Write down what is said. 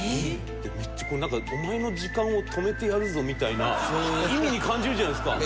なんかお前の時間を止めてやるぞみたいな意味に感じるじゃないですか。